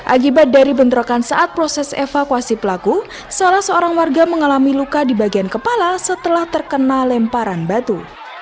akibat dari bentrokan saat proses evakuasi pelaku salah seorang warga mengalami luka di bagian kepala setelah terkena lemparan batu